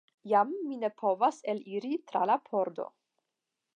Jam mi ne povas eliri tra la pordo.